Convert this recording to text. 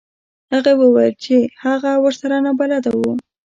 هغې وویل چې هغه ورسره نابلده و.